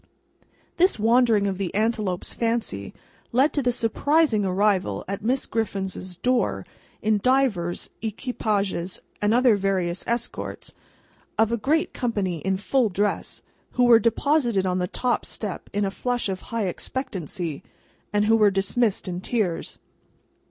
This wandering of the antelope's fancy, led to the surprising arrival at Miss Griffin's door, in divers equipages and under various escorts, of a great company in full dress, who were deposited on the top step in a flush of high expectancy, and who were dismissed in tears.